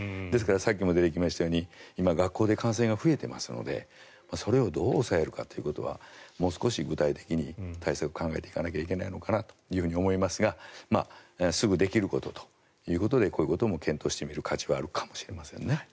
ですからさっきも出てきたように今、学校で感染が増えていますのでそれをどう抑えるかということはもう少し具体的に対策を考えていかないといけないのかなと思いますがすぐできることということでこういうことも検討していく価値はあるかもしれませんね。